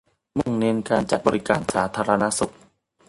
มุ่งเน้นการจัดบริการสาธารณสุข